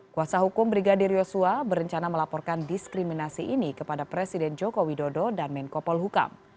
kuasa hukum brigadir yosua berencana melaporkan diskriminasi ini kepada presiden joko widodo dan menko polhukam